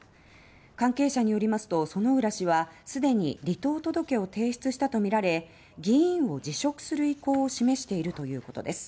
関係者によりますと薗浦氏は既に離党届を提出したとみられ議員を辞職する意向を示しているということです。